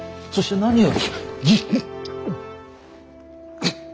そして何よりじ。